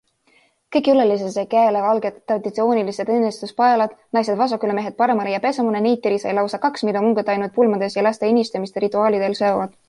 Kõik külalised said käele valged traditsioonilised õnnistuspaelad - naised vasakule, mehed paremale ja pesamuna Neytiri sai lausa kaks -, mida mungad ainult pulmades ja laste õnnistamiste rituaalidel seovad.